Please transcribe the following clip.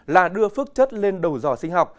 là đưa phước chất lên đầu giò sinh học